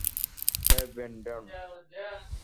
হ্যাঁ, ব্র্যান্ডন।